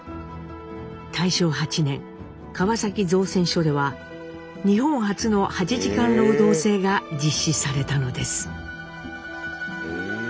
大正８年川崎造船所では日本初の八時間労働制が実施されたのです。